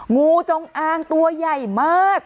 งูจงอางตัวใหญ่มาก